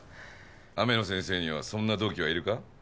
雨野先生にはそんな同期はいるか？